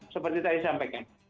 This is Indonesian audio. seperti tadi sampaikan